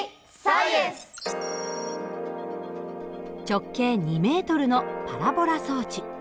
直径２ｍのパラボラ装置。